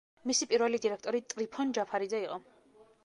მისი პირველი დირექტორი ტრიფონ ჯაფარიძე იყო.